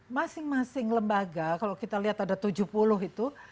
masing masing lembaga kalau kita lihat ada tujuh puluh itu